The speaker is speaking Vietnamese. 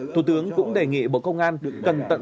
thủ tướng cũng đề nghị bộ công an